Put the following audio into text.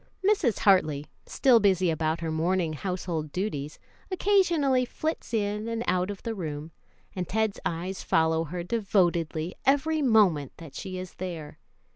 Mrs. Hartley, still busy about her morning household duties, occasionally flits in and out of the room, and Ted's eyes follow her devotedly every moment that she is there.